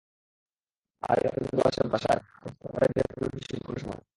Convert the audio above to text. আজ রাতে জাদু আছে বাতাসে, আর ঘটতে পারে যেকোনো কিছুই, যেকোনো সময়ে।